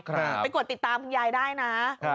ไปกดติดตามคุณยายได้นะ